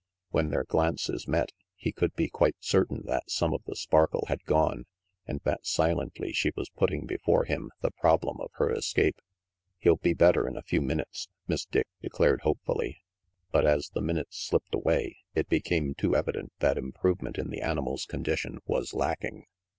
When their glances met, he could be quite certain that some of the sparkle had gone and that silently she was putting before him the problem of her escape. "He'll be better in a few minutes," Miss Dick declared hopefully ; but as the minutes slipped away, it became too evident that improvement in the animal's condition was lacking.